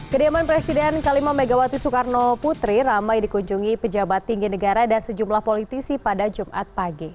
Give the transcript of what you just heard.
kediaman presiden ke lima megawati soekarno putri ramai dikunjungi pejabat tinggi negara dan sejumlah politisi pada jumat pagi